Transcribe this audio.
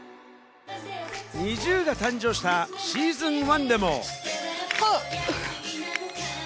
ＮｉｚｉＵが誕生したＳｅａｓｏｎ１でも。